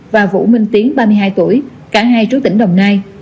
và vũ minh tiến ba mươi hai tuổi cả hai chú tỉnh đồng nai